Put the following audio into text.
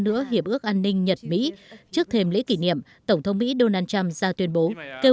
nữa hiệp ước an ninh nhật mỹ trước thêm lễ kỷ niệm tổng thống mỹ donald trump ra tuyên bố kêu